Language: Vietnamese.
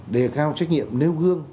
đề cao trách nhiệm nêu gương